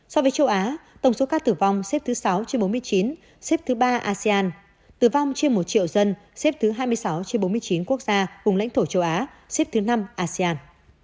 so với châu á tổng số ca tử vong xếp thứ sáu trên bốn mươi chín xếp thứ ba asean tử vong trên một triệu dân xếp thứ hai mươi sáu trên bốn mươi chín quốc gia vùng lãnh thổ châu á xếp thứ năm asean